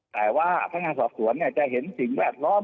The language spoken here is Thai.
แต่ว่าพนักงานสอบสวนจะเห็นสิ่งแวดล้อม